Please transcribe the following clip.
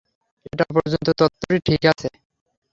এ পর্যন্ত তত্ত্বটি ঠিক আছে।